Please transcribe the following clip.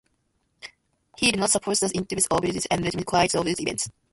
He did not supported the independence of Bangladesh and remained quiet throughout the events.